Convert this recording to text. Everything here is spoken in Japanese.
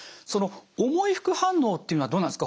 重い副反応っていうのはどうなんですか？